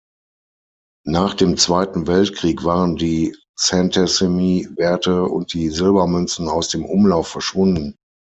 Nach dem Zweiten Weltkrieg waren die Centesimi-Werte und die Silbermünzen aus dem Umlauf verschwunden.